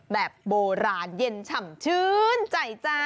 แบบโบราณเย็นฉ่ำชื่นใจจ้า